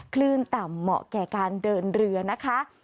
คลื่นต่ำเหมาะแก่การเดินเรือนะคะ